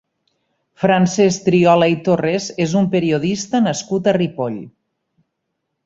Francesc Triola i Torres és un periodista nascut a Ripoll.